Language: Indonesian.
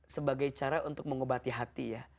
sebagai cara untuk mengobati hati ya